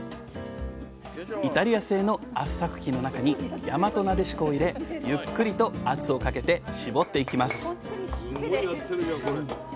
イタリア製の圧搾機の中にやまとなでしこを入れゆっくりと圧をかけて搾っていきます